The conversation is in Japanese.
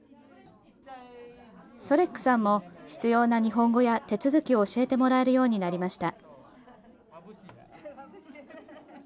ソレックさんも必要な日本語や手続きを教えてもらえるようになりました。